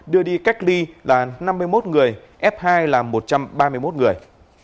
đưa đi cách ly là năm mươi một người f hai là một trăm ba mươi một người